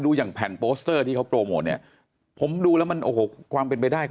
อย่างแผ่นโปสเตอร์ที่เขาโปรโมทเนี่ยผมดูแล้วมันโอ้โหความเป็นไปได้